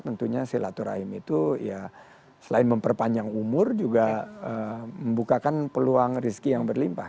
tentunya silaturahim itu ya selain memperpanjang umur juga membukakan peluang rezeki yang berlimpah